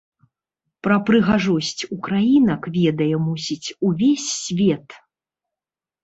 Пра прыгажосць украінак ведае, мусіць, увесь свет!